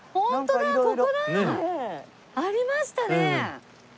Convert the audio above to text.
ありましたね！